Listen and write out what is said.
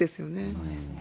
そうですね。